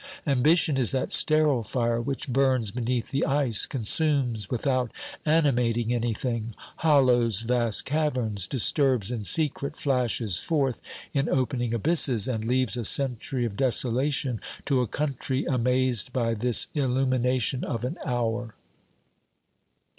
Ambition is that sterile fire which burns beneath the ice, consumes without animating anything, hollows vast caverns, disturbs in secret, flashes forth in opening abysses, and leaves a century of desolation to a country amazed by this illumination of an hour.